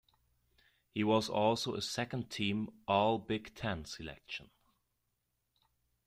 He was also a second team All-Big Ten selection.